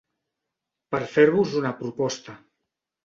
Per fer-vos una proposta.